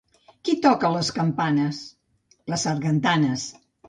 Qui toca les campanes? / —Les sargantanes.